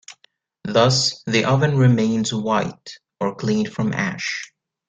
Thus, the oven remains "white", or clean from ash.